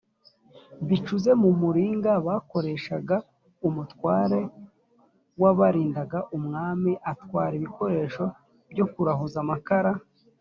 bicuze mu muringa bakoreshaga umutware w abarindaga umwami atwara ibikoresho byo kurahuza amakara